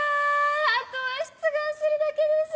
あとは出願するだけです。